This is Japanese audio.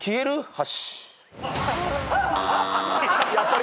やっぱりか。